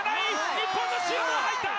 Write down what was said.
日本のシュート、入った！